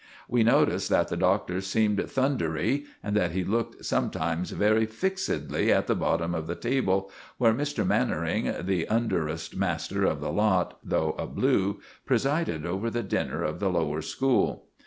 We noticed that the Doctor seemed thundery, and that he looked sometimes very fixedly at the bottom of the table, where Mr. Mannering, the underest master of the lot, though a 'blue,' presided over the dinner of the lower school.